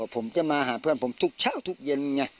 ผมจะมาหาเพื่อนผมทุกเช้าทุกเย็นไง